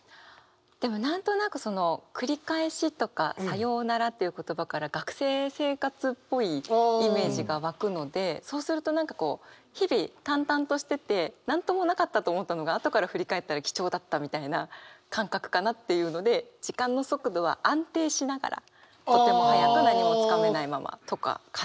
でも何となく「繰り返し」とか「さようなら」という言葉から学生生活っぽいイメージが湧くのでそうすると何かこう日々淡々としてて何ともなかったと思ったのが後から振り返ったら貴重だったみたいな感覚かなっていうので「時間の速度は安定しながらとても早くなにも掴めないまま」とかかなって思いました。